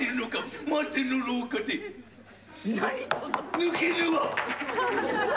抜けぬわ。